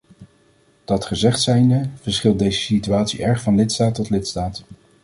Dat gezegd zijnde, verschilt deze situatie erg van lidstaat tot lidstaat.